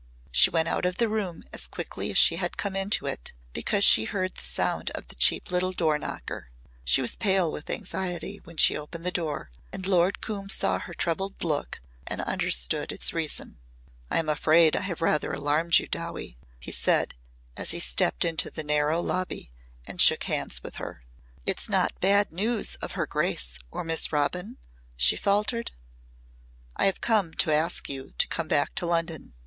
She went out of the room as quickly as she had come into it because she heard the sound of the cheap little door knocker. She was pale with anxiety when she opened the door and Lord Coombe saw her troubled look and understood its reason. "I am afraid I have rather alarmed you, Dowie," he said as he stepped into the narrow lobby and shook hands with her. "It's not bad news of her grace or Miss Robin?" she faltered. "I have come to ask you to come back to London.